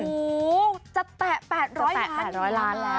โอ้โหจะแตะ๘๐๐ล้านอีกแล้วนะ